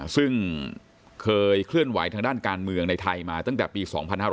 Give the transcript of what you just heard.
ซึ่งเคยเคลื่อนไหวทางด้านการเมืองในไทยมาตั้งแต่ปี๒๕๕๙